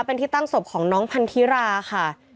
เป็นที่ตั้งศพของน้องพันธิราค่ะ